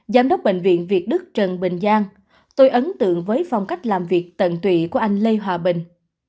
giám đốc bệnh viện việt đức trần bình giang tôi ấn tượng với phong cách làm việc tận tụy của anh lê hòa bình